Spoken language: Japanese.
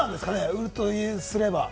売るとすれば。